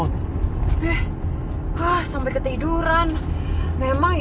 kalau jalan ini tidak bisa berubah maka saya akan mencoba untuk mencoba jalan ini